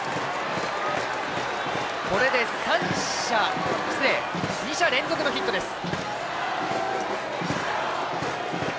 これで２者連続のヒットです。